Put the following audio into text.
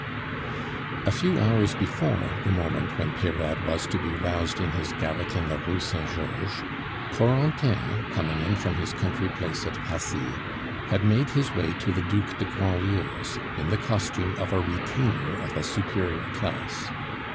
A few hours before the moment when Peyrade was to be roused in his garret in the Rue Saint Georges, Corentin, coming in from his country place at Passy, had made his way to the Duc de Grandlieu's, in the costume of a retainer of a superior class.